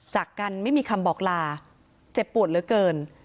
จากกันไม่มีคำบอกลาเจ็บปวดเหลือเกิน